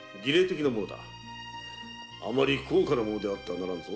あまり高価なものであってはならぬぞ。